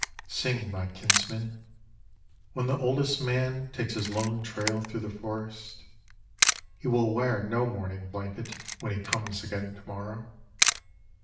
Sing, my kinsmen, when the oldest manTakes his lone trail through the forest. He will wear no mourning blanket when he comes again tomorrow!